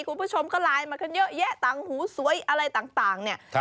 คุณผู้ชมก็ไลน์มากันเยอะแยะต่างหูสวยอะไรต่างเนี่ย